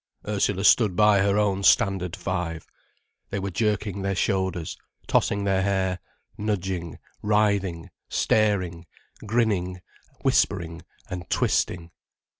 Ursula stood by her own Standard Five. They were jerking their shoulders, tossing their hair, nudging, writhing, staring, grinning, whispering and twisting.